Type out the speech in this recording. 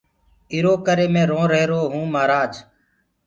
ايٚرو ڪري مي روهيروئونٚ مهآرآج پڇي